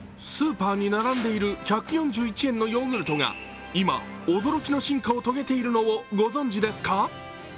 スーパーに並んでいる１４１円のヨーグルトが今、驚きの進化を遂げているのをご存じですか？